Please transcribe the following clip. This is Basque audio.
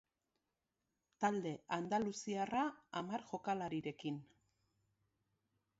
Talde andaluziarra, hamar jokalarirekin.